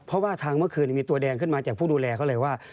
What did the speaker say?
เพราะว่าทางเมื่อคืนมีตัวแดงขึ้นมาจากผู้ดูแลเขาเลยว่า